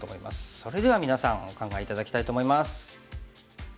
それでは皆さんお考え頂きたいと思います。